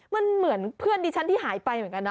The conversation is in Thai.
มันเหมือนเพื่อนดิฉันที่หายไปเหมือนกันนะ